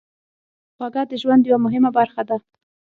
خوږه د ژوند یوه مهمه برخه ده.